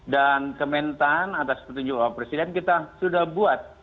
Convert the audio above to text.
dan kemendahan atas petunjuk bapak presiden kita sudah buat